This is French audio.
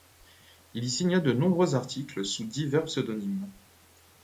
Il y signa de nombreux articles sous divers pseudonymes.